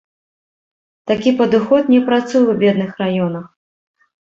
Такі падыход не працуе ў бедных раёнах.